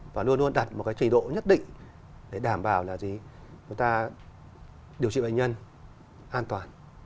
và luôn luôn đặt một cái chế độ nhất định để đảm bảo là chúng ta điều trị bệnh nhân an toàn